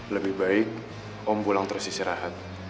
lebih baik om pulang terus istirahat